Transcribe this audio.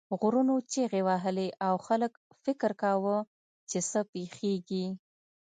غرونو چیغې وهلې او خلک فکر کاوه چې څه پیښیږي.